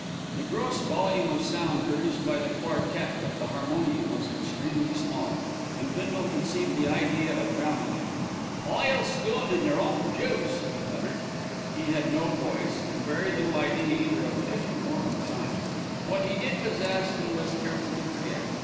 The gross volume of sound produced by the quartette with the harmonium was extremely small, and Bindle conceived the idea of drowning it. "I'll stew 'em in their own juice," he muttered. He had no voice, and very little idea either of tune or of time. What he did possess he was careful to forget.